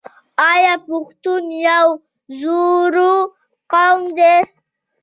آیا پښتون یو زړور قوم نه دی؟